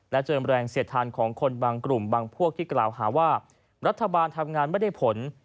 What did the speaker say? เจิมแรงเสียดทานของคนบางกลุ่มบางพวกที่กล่าวหาว่ารัฐบาลทำงานไม่ได้ผล